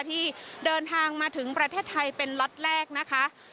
ที่เดินทางมาถึงประเทศไทยเป็นล็อตแรกนะคะ